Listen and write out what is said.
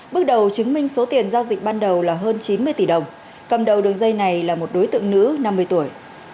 bước đầu chứng minh số tiền giao dịch ban đầu là hơn chín mươi tỷ đồng cầm đầu đường dây này là một đối tượng nữ năm mươi tuổi